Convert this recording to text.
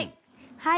はい。